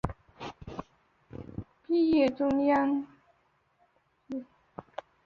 毕业于中共中央党校经济管理专业。